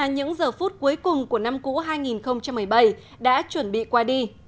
những giờ phút cuối cùng của năm cũ hai nghìn một mươi bảy đã chuẩn bị qua đi